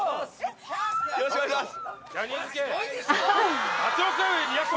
よろしくお願いします